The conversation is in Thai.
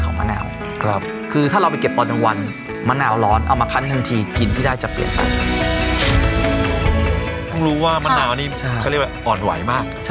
ไม่รู้ว่ามะนาวนี่เขาเรียกว่าอ่อนไหวมาก